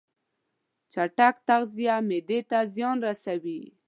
چټک تغذیه معدې ته زیان رسوي.